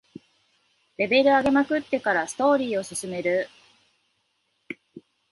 レベル上げまくってからストーリーを進める